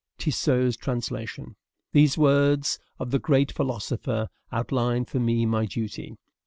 Tissot's Translation. These words of the great philosopher outline for me my duty.